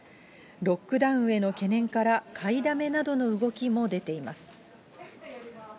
ロックダウンへの懸念から、買いだめなどの動きも出ています。